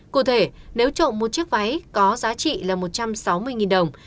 cụ thể nếu trộm một chiếc váy có giá trị là một trăm sáu mươi đồng